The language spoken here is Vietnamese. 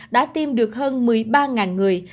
đã tiêm được hơn một mươi ba người